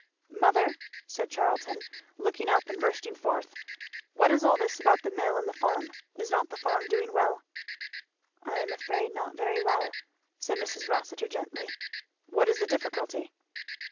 "Mother," said Charlton looking up and bursting forth, "what is all this about the mill and the farm? Is not the farm doing well?" "I am afraid not very well," said Mrs. Rossitur, gently. "What is the difficulty?"